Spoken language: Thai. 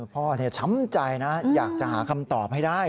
ช้ำใจนะอยากจะหาคำตอบให้ได้